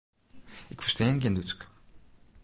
Ik ferstean gjin Dútsk.